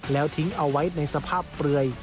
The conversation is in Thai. แล้วทิ้งเอาไว้ในสภาพเปลือย